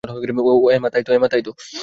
এমা তাই তো!